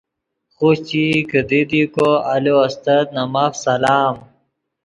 خوشچئی کیدی دی کو آلو استت نے ماف سلام۔